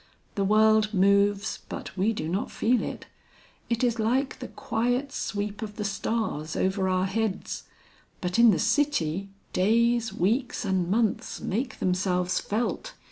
The world moves, but we do not feel it; it is like the quiet sweep of the stars over our heads. But in the city, days, weeks and months make themselves felt.